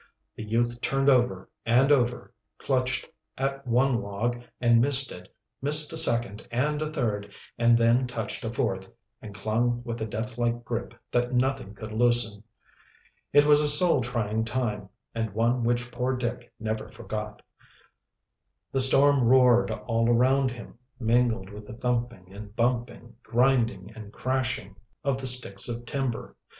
The youth turned over and over, clutched at one log and missed it, missed a second and a third, and then touched a fourth, and clung with a deathlike grip that nothing could loosen. It was a soul trying time, and one which poor Dick never forgot. The storm roared all around him, mingled with the thumping and bumping, grinding and crashing, of the sticks of timber.